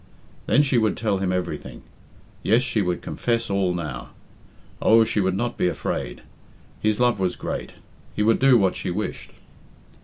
Then she would tell him everything. Yes, she would confess all now. Oh, she would not be afraid. His love was great. He would do what she wished.